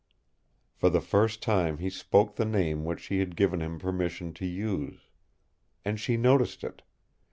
For the first time he spoke the name which she had given him permission to use. And she noticed it.